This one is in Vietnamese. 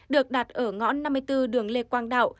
được đặt ở ngõ năm mươi bốn đường lê quang đạo